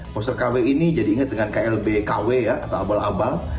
poster kw ini jadi ingat dengan klb kw ya atau abal abal